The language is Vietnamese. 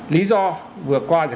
lý do vừa qua